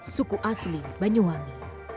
suku asli banyuwangi